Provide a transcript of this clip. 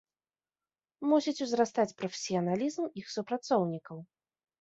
Мусіць узрастаць прафесіяналізм іх супрацоўнікаў.